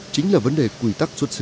chính là vấn đề quy tắc xuất xứ